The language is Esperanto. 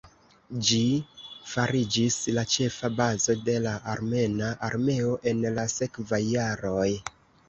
Ĝi fariĝis la ĉefa bazo de la armena armeo en la sekvaj jaroj.